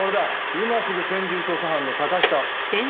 今すぐ専従捜査班の坂下を。